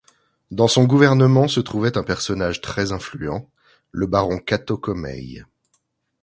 Dans son gouvernement se trouvait un personnage très influent, le baron Kato Komei.